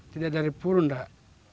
tidak dari purun tak